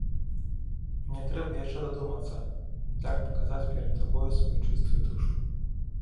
Мне трэба яшчэ дадумацца, як паказаць перад табою сваю чыстую душу.